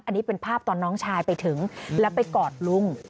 อันนี้เป็นภาพตอนน้องชายไปถึงแล้วไปกอดลุง